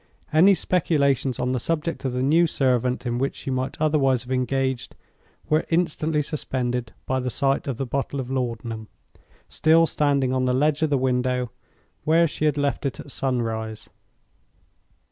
Any speculations on the subject of the new servant in which she might otherwise have engaged were instantly suspended by the sight of the bottle of laudanum, still standing on the ledge of the window, where she had left it at sunrise.